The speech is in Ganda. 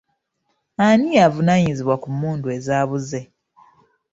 Ani avunaanyizibwa ku mmundu ezaabuze?